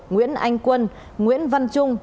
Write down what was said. nguyễn anh quân nguyễn văn trung